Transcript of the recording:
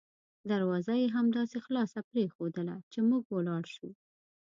دروازه یې همداسې خلاصه پریښودله چې موږ ولاړ شوو.